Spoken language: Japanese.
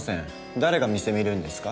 誰が店見るんですか。